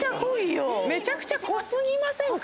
めちゃくちゃ濃過ぎませんか？